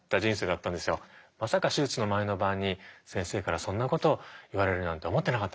まさか手術の前の晩に先生からそんなことを言われるなんて思ってなかったから